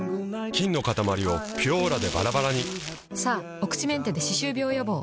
菌のかたまりを「ピュオーラ」でバラバラにさぁお口メンテで歯周病予防。